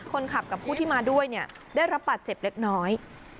คนขับกับผู้ที่มาด้วยเนี่ยได้รับบาดเจ็บเล็กน้อย